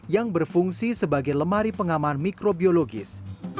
yang berfungsi sebagai lemari pengaman mikrobiologis